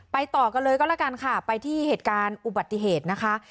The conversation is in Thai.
ต่อกันเลยก็แล้วกันค่ะไปที่เหตุการณ์อุบัติเหตุนะคะ